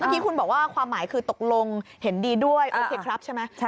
เมื่อกี้คุณบอกว่าความหมายคือตกลงเห็นดีด้วยโอเคครับใช่ไหม